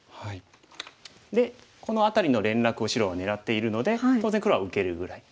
でこの辺りの連絡を白は狙っているので当然黒は受けるぐらい。